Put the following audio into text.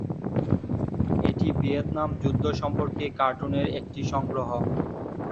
এটি ভিয়েতনাম যুদ্ধ সম্পর্কে কার্টুনের একটি সংগ্রহ।